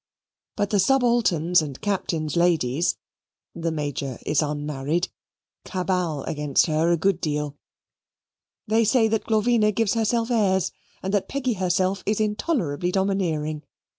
But the Subalterns' and Captains' ladies (the Major is unmarried) cabal against her a good deal. They say that Glorvina gives herself airs and that Peggy herself is intolerably domineering.